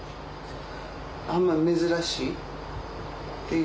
あんま珍しいっていうとこから。